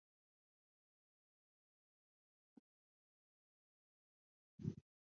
Brad Falchuk lo escribió y Eric Stoltz estuvo a cargo de la dirección.